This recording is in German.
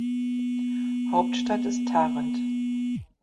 Hauptstadt ist Tarent.